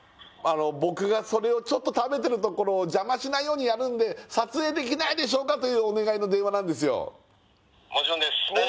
僕がそれをちょっと食べてるところを邪魔しないようにやるんで撮影できないでしょうか？というお願いの電話なんですよ